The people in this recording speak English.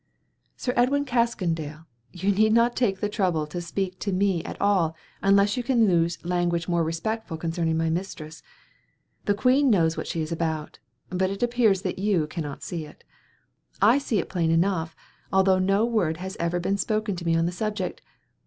"Sir Edwin Caskoden, you need not take the trouble to speak to me at all unless you can use language more respectful concerning my mistress. The queen knows what she is about, but it appears that you cannot see it. I see it plainly enough, although no word has ever been spoken to me on the subject.